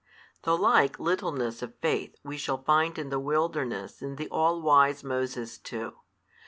The like littleness of faith we shall find in the wilderness |324 in the all wise Moses too.